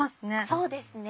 そうですね。